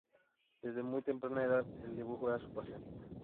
Desde muy temprana edad el dibujo era su pasión.